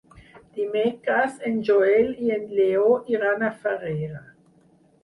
Dimecres en Joel i en Lleó iran a Farrera.